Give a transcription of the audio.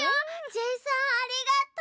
ジェイさんありがとう！